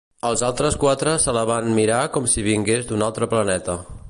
Els altres quatre se la van mirar com si vingués d'un altre planeta.